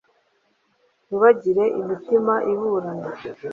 ntibagire imitima iburana,